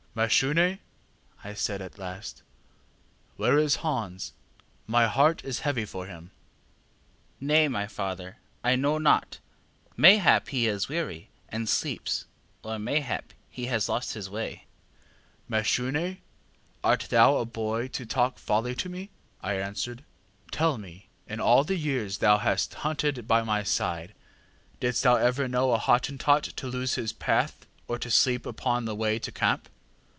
ŌĆ£ŌĆśMashune, ŌĆÖ I said at last, ŌĆśwhere is Hans? my heart is heavy for him. ŌĆÖ ŌĆ£ŌĆśNay, my father, I know not; mayhap he is weary, and sleeps, or mayhap he has lost his way. ŌĆÖ ŌĆ£ŌĆśMashune, art thou a boy to talk folly to me? ŌĆÖ I answered. ŌĆśTell me, in all the years thou hast hunted by my side, didst thou ever know a Hottentot to lose his path or to sleep upon the way to camp?